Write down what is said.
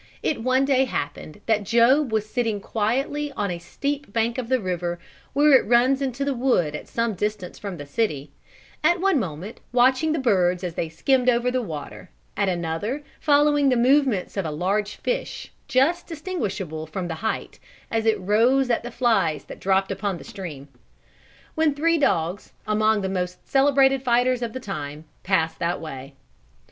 It one day happened that Job was sitting quietly on a steep bank of the river where it runs into the wood at some distance from the city, at one moment watching the birds as they skimmed over the water, at another following the movements of a large fish, just distinguishable from the height, as it rose at the flies that dropped upon the stream; when three dogs, among the most celebrated fighters of the time, passed by that way.